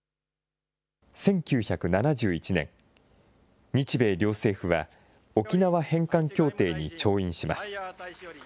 １９７１年、日米両政府は、沖縄返還協定に調印します。